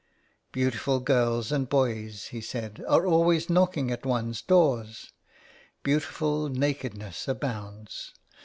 Beautiful girls and boys," he said, '* are always knocking at one's doors. Beautiful nakedness abounds.